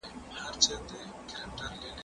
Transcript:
کتابتوني کار د مور له خوا کيږي